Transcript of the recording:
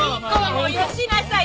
もうよしなさい！